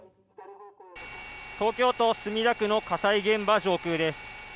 東京都墨田区の火災現場上空です。